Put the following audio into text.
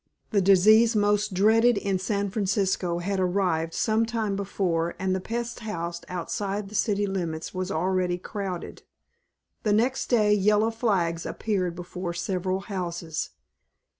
The disease most dreaded in San Francisco had arrived some time before and the pest house outside the city limits was already crowded. The next day yellow flags appeared before several houses.